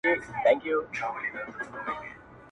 علم له عقل سره کلک تړاو لري